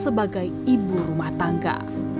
sebagai ibu rumah tangga